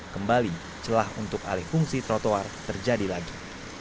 kembali celah untuk alih fungsi trotoar terjadi lagi